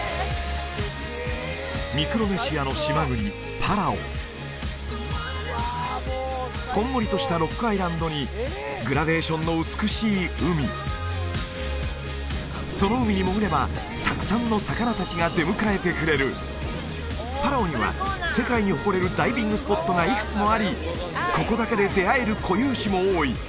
ミクロネシアの島国パラオこんもりとしたロックアイランドにグラデーションの美しい海その海に潜ればたくさんの魚達が出迎えてくれるパラオには世界に誇れるダイビングスポットがいくつもありここだけで出会える固有種も多い